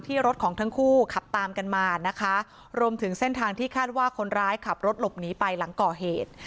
รถของทั้งคู่ขับตามกันมานะคะรวมถึงเส้นทางที่คาดว่าคนร้ายขับรถหลบหนีไปหลังก่อเหตุ